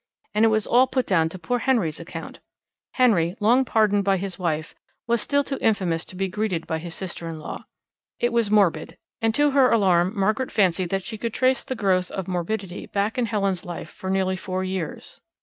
And it was all put down to poor Henry's account! Henry, long pardoned by his wife, was still too infamous to be greeted by his sister in law. It was morbid, and, to her alarm, Margaret fancied that she could trace the growth of morbidity back in Helen's life for nearly four years.